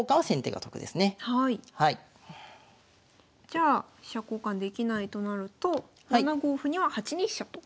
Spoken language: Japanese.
じゃあ飛車交換できないとなると７五歩には８二飛車と。